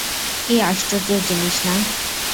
কি আশ্চর্য জিনিস না?